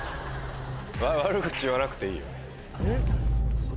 悪口言わなくていいよ。